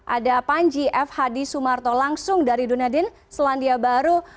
ada panji f hadi sumarto langsung dari dunedin selandia baru